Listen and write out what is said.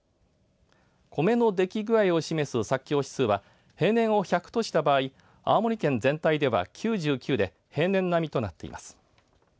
コメのでき具合を示す作況指数は平年を１００とした場合青森県全体では９９で平年並みとなっています。